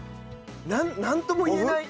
なんとも言えない。